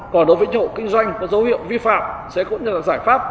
còn đối với những hộ kinh doanh có dấu hiệu vi phạm sẽ cũng như là giải pháp